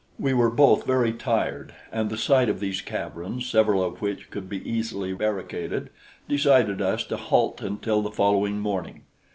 We were both very tired, and the sight of these caverns, several of which could be easily barricaded, decided us to halt until the following morning.